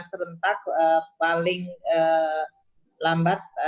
serentak paling lambat